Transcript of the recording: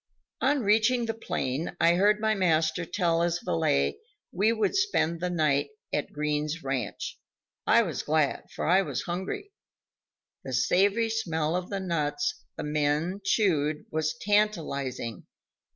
On reaching the plain, I heard my master tell his valet we would spend that night at Green's ranch. I was glad, for I was hungry; the savory smell of the nuts the men chewed was tantalizing.